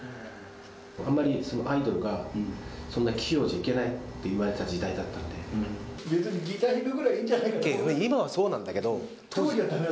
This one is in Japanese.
あんまりアイドルが、そんな器用じゃいけないと言われた時代だっギター弾くぐらいいいんじゃ今はそうなんだけど。